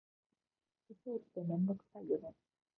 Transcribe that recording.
化粧って、めんどくさいよね。